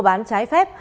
mua bán trái phép